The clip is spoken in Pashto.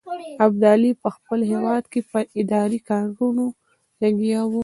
ابدالي په خپل هیواد کې په اداري کارونو لګیا وو.